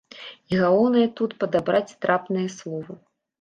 І галоўнае тут падабраць трапныя словы.